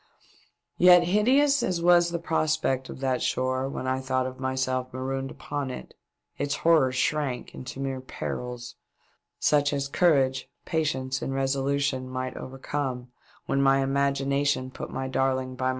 Yet, hideous as was the prospect of that shore when I thought of myself marooned upon it, its horrors shrunk into mere perils, such as courage, patience and resolution might overcome, when my imagination put my darling by m.